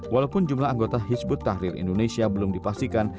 walaupun jumlah anggota hizbut tahrir indonesia belum dipastikan